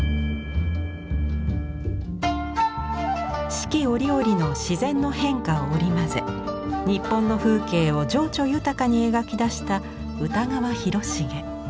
四季折々の自然の変化を織り交ぜ日本の風景を情緒豊かに描き出した歌川広重。